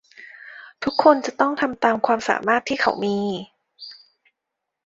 ทุกคนจะต้องทำตามความสามารถที่เขามี